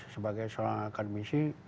sebagai seorang akademisi